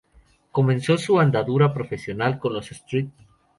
Comenzó su andadura profesional con los St.